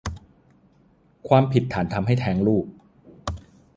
ความผิดฐานทำให้แท้งลูก